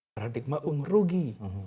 paradigma unggung rugi